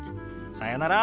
さよなら！